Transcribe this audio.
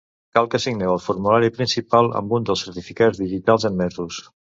Cal que signeu el formulari principal amb un dels certificats digitals admesos.